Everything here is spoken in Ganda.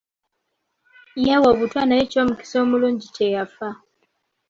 Yeewa obutwa naye eky'omukisa omulungi teyafa.